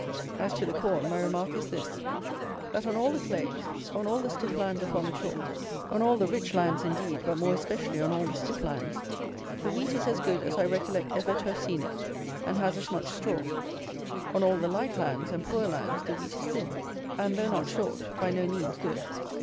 As to the corn, my remark is this: that on all the clays, on all the stiff lands upon the chalk; on all the rich lands, indeed, but more especially on all the stiff lands, the wheat is as good as I recollect ever to have seen it, and has as much straw. On all the light lands and poor lands the wheat is thin, and, though not short, by no means good.